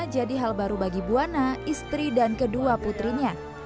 jadi hal baru bagi buwana istri dan kedua putrinya